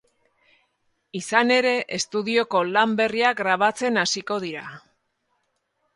Izan ere, estudioko lan berria grabatzen hasiko dira.